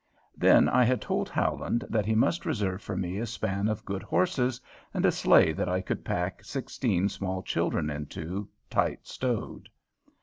Then I had told Howland that he must reserve for me a span of good horses, and a sleigh that I could pack sixteen small children into, tight stowed.